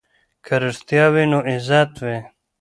که رښتیا وي نو عزت وي.